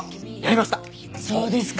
そうですか。